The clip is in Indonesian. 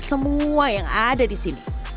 semua yang ada disini